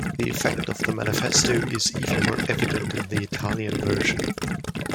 The effect of the manifesto is even more evident in the Italian version.